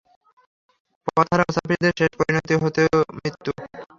পথহারা মুসাফিরের শেষ পরিণতি হতো মৃত্যু।